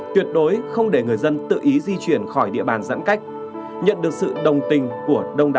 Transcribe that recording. tuyệt đối không để người dân tự ý di chuyển khỏi địa bàn giãn cách nhận được sự đồng tình của đông đảo